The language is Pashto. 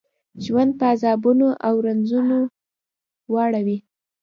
ژوند په عذابونو او رنځونو واړوي.